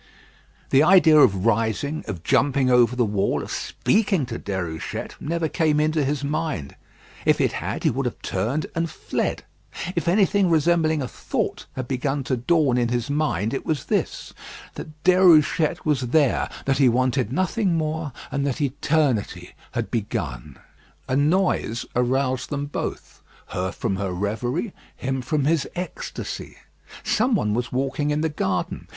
The idea of rising, of jumping over the wall, of speaking to Déruchette, never came into his mind. If it had he would have turned and fled. If anything resembling a thought had begun to dawn in his mind, it was this: that Déruchette was there, that he wanted nothing more, and that eternity had begun. A noise aroused them both her from her reverie him from his ecstasy. Some one was walking in the garden.